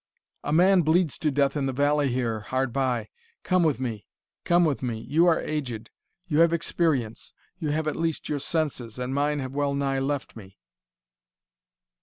"A man bleeds to death in the valley here, hard by. Come with me come with me! You are aged you have experience you have at least your senses and mine have well nigh left me."